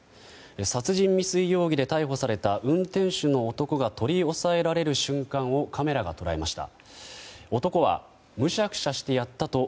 殺人未遂容疑で逮捕された運転手の男が取り押さえられる瞬間をカメラが捉えました。